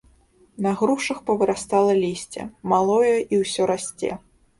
На грушах павырастала лісце, малое і ўсё расце.